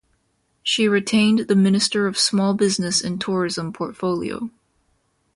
She retained the Minister of Small Business and Tourism portfolio.